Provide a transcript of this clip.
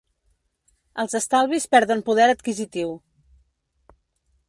Els estalvis perden poder adquisitiu.